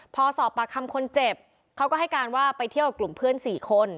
พอสอบปากคำคนเจ็บเขาก็ให้การว่าไปเที่ยวกับกลุ่มเพื่อน๔คน